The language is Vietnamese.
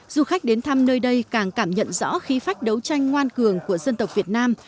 du khách đến thăm nơi đây càng cảm nhận rõ khí phách đấu tranh ngoan cường của dân tộc việt nam